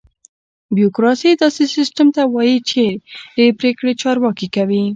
بیوروکراسي: داسې سیستم ته وایي چېرې پرېکړې چارواکي کوي.